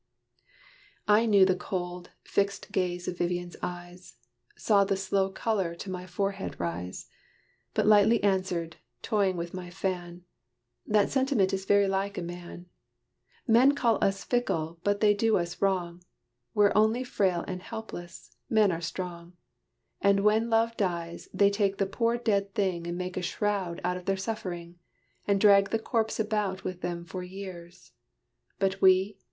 I knew the cold, fixed gaze of Vivian's eyes Saw the slow color to my forehead rise; But lightly answered, toying with my fan, "That sentiment is very like a man! Men call us fickle, but they do us wrong; We're only frail and helpless, men are strong; And when love dies, they take the poor dead thing And make a shroud out of their suffering, And drag the corpse about with them for years. But we?